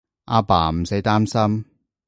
阿爸，唔使擔心